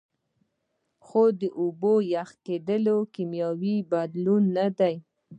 خو د اوبو یخ کیدل کیمیاوي بدلون نه دی